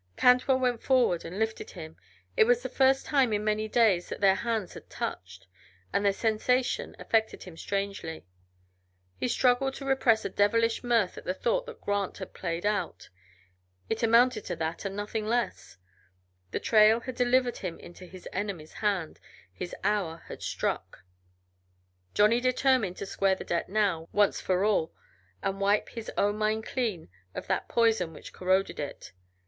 Cantwell went forward and lifted him. It was the first time in many days that their hands had touched, and the sensation affected him strangely. He struggled to repress a devilish mirth at the thought that Grant had played out it amounted to that and nothing less; the trail had delivered him into his enemy's hands, his hour had struck. Johnny determined to square the debt now, once for all, and wipe his own mind clean of that poison which corroded it.